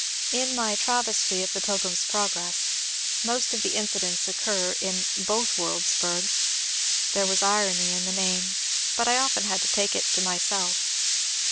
In my travesty of the *' Pilgrim's Progress " most of the incidents occur in " Bothworldsburg." There was irony in the name, but I often had to take it to myself.